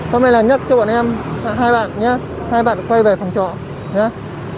vấn đề là nhắc cho bọn em hai bạn nhé hai bạn quay về phòng trọ nhé